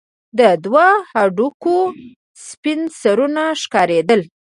د دوو هډوکو سپين سرونه ښكارېدل.